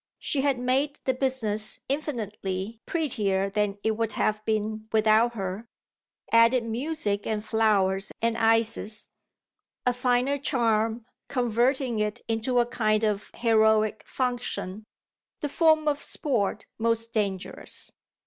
She had made the business infinitely prettier than it would have been without her, added music and flowers and ices, a finer charm, converting it into a kind of heroic "function," the form of sport most dangerous.